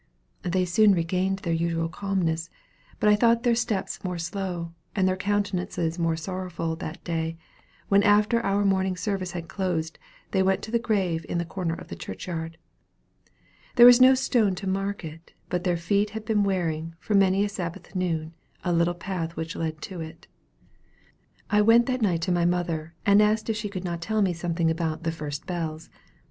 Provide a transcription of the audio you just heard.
They soon regained their usual calmness, but I thought their steps more slow, and their countenances more sorrowful that day, when after our morning service had closed, they went to the grave in the corner of the churchyard. There was no stone to mark it, but their feet had been wearing, for many a Sabbath noon, the little path which led to it. I went that night to my mother, and asked her if she could not tell me something about "the first bells."